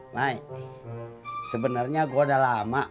mai sebenarnya gue udah lama pengen ngomong